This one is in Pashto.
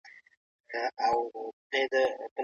کوچیانو کله خپلې جوړې کړې غالۍ بازار ته راوړلې؟